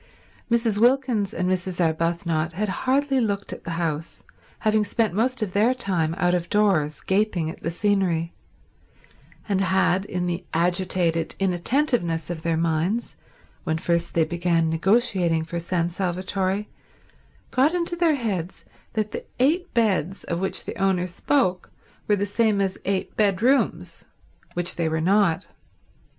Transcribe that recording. Mrs. Wilkins and Mrs. Arbuthnot had hardly looked at the house, having spent most of their time out of doors gaping at the scenery, and had, in the agitated inattentiveness of their minds when first they began negotiating for San Salvatore, got into their heads that the eight beds of which the owner spoke were the same as eight bedrooms; which they were not.